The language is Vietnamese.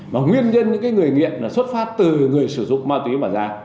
và nguyên nhân những người nghiện xuất phát từ người sử dụng ma túy mà ra